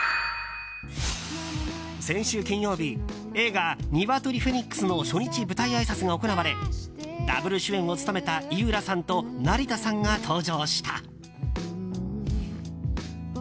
先週金曜日、映画「ニワトリ☆フェニックス」の初日舞台あいさつが行われダブル主演を務めた井浦さんと成田さんが登場した。